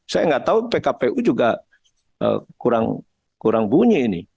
saya nggak tahu pkpu juga kurang bunyi ini